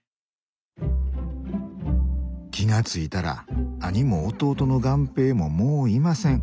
気が付いたら兄も弟の雁平ももういません。